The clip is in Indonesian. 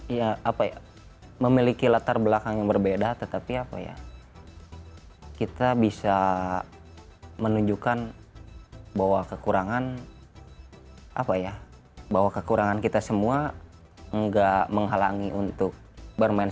iya apa ya memiliki latar belakang yang berbeda tetapi apa ya kita bisa menunjukkan bahwa kekurangan apa ya bahwa kekurangan kita semua enggak menghalangi untuk bermain